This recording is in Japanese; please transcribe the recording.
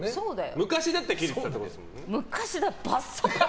昔だったらキレてたってことですよね。